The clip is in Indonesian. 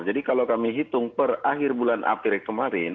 jadi kalau kami hitung per akhir bulan akhirnya kemarin